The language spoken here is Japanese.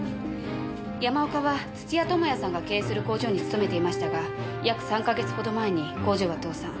山岡は土屋友也さんが経営する工場に勤めていましたが約３か月ほど前に工場が倒産。